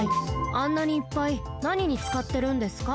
あんなにいっぱいなににつかってるんですか？